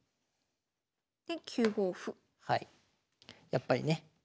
やっぱりね